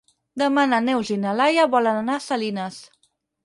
Demà na Neus i na Laia volen anar a Salines.